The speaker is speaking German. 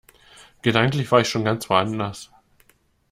Gedanklich war ich schon ganz woanders.